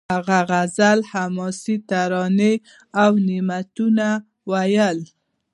هغه غزل حماسي ترانې او نعتونه وویل